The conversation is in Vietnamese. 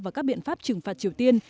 và các biện pháp trừng phạt triều tiên